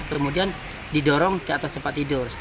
kemudian didorong ke atas tempat tidur